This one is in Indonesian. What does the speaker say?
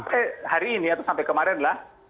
sampai hari ini atau sampai kemarin lah